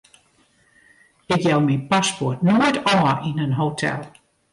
Ik jou myn paspoart noait ôf yn in hotel.